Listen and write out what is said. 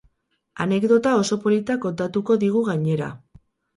Anekdota oso polita kontatuko digu gainera.